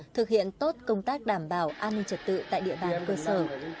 thực hiện tốt công tác đảm bảo an ninh trật tự tại địa bàn cơ sở